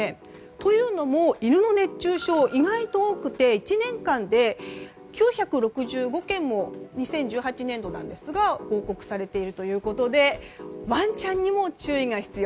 というのも、犬の熱中症は意外と多くて１年間で９６５件も２０１８年度なんですが報告されているということでワンちゃんにも注意が必要。